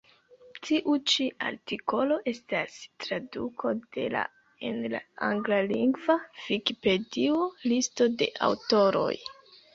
Tiu ĉi artikolo estas traduko de la en la anglalingva vikipedio, listo de aŭtoroj.